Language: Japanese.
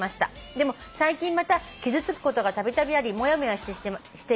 でも最近また傷つくことがたびたびありモヤモヤしています」